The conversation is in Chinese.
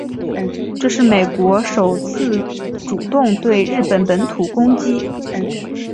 这是美国首次主动对日本本土攻击。